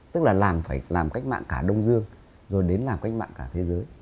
tức là làm phải làm cách mạng cả đông dương rồi đến làm cách mạng cả thế giới